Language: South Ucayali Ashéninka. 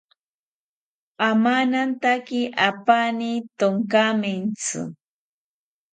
Amanantaki apani tonkamentzi